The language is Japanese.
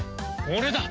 俺だ！